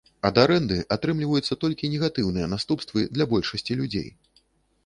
Ад арэнды атрымліваюцца толькі негатыўныя наступствы для большасці людзей.